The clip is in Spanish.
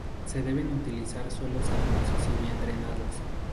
Se deben utilizar suelos arenosos y bien drenados.